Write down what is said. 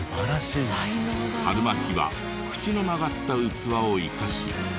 はるまきは口の曲がった器を生かし。